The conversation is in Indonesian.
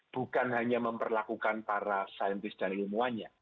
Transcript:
bukan hanya memperlakukan para saintis dan ilmuwannya